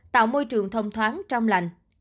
tạo môi trường thông thoáng trong lành